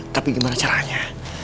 tapi gimana caranya